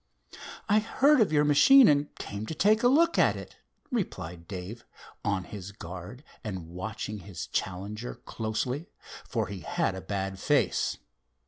"I heard of your machine and came to take a look at it," replied Dave, on his guard and watching his challenger closely, for he had a bad face.